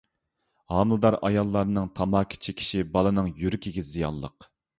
ھامىلىدار ئاياللارنىڭ تاماكا چېكىشى بالىنىڭ يۈرىكىگە زىيانلىق.